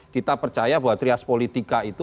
kita percaya bahwa trias politika itu